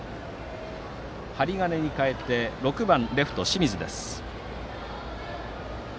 針金に代えて６番レフト、清水です。